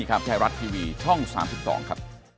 ครับ